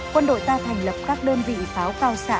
quân đội ta thành lập các đơn vị pháo cao xạ